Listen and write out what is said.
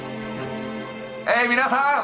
え皆さん